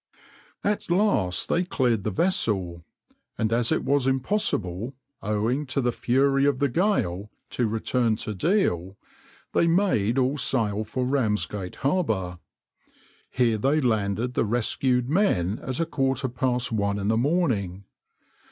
\par At last they cleared the vessel, and as it was impossible, owing to the fury of the gale, to return to Deal, they made all sail for Ramsgate harbour. Here they landed the rescued men at a quarter past one in the morning.